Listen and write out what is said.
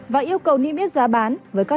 và yêu cầu niêm yếu